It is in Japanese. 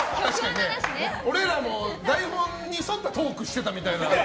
俺らも台本に沿ったトークしてたみたいな。